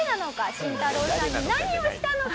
シンタロウさんに何をしたのか？